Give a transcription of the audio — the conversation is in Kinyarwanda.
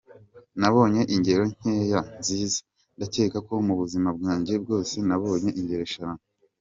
Nabonye ingero nkeya nziza, ndakeka ko mu buzima bwanjye bwose nabonye ingero eshanu…”.